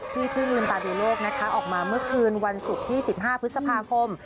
ที่พึ่งลืมตาดูโลกนะคะออกมาเมื่อคืนวันศุกร์ที่๑๕พฤษภาคม